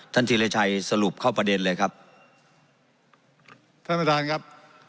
ท่านธิราชายสรุปเข้าประเด็นเลยครับ